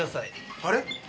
あれ？